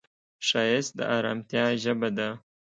ښایست د ارامتیا ژبه ده